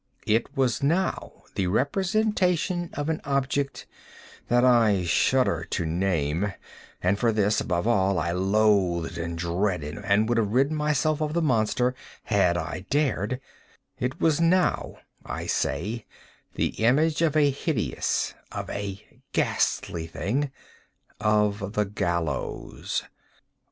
It was now the representation of an object that I shudder to name—and for this, above all, I loathed, and dreaded, and would have rid myself of the monster had I dared—it was now, I say, the image of a hideous—of a ghastly thing—of the GALLOWS!